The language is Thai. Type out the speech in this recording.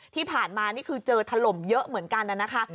ที่ผ่านมานี่คือเจอถล่มเยอะเหมือนกันนะคะ